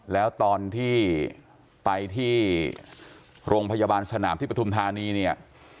แล้วตอนที่ไปที่โรงพยาบาลสนามที่ปฐุมธานีเนี่ย